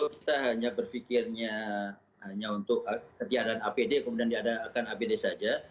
kalau mereka hanya berpikirnya hanya untuk ketiaraan apd kemudian diadakan apd saja